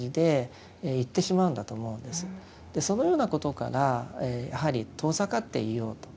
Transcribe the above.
そのようなことからやはり遠ざかっていようと。